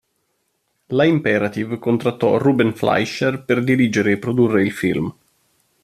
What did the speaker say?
La Imperative contattò Ruben Fleischer per dirigere e produrre il film.